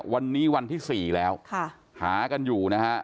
วันนี้วันที่๔แล้วหากันอยู่นะฮะ